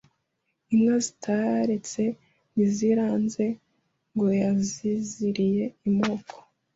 inka Zitaretsa ntiziranze Ngo yaziziriye imoko